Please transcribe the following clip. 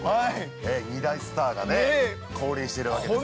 ええ、２大スターがね、降臨してるわけですから。